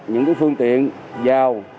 những phương tiện vào